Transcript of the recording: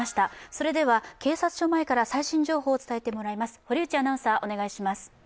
それでは警察署前から最新情報を伝えてもらいます。